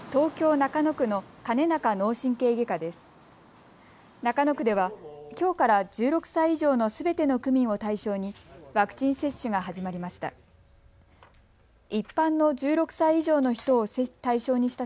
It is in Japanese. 中野区ではきょうから１６歳以上のすべての区民を対象にワクチン接種が始まりました。